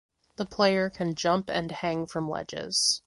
The player can jump and hang from ledges.